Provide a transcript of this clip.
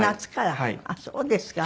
あっそうですか。